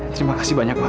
terima kasih banyak pak